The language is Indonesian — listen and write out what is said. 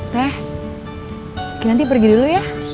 teh nanti pergi dulu ya